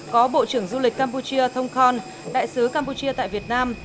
có bộ trưởng du lịch campuchia thông khòn đại sứ campuchia tại việt nam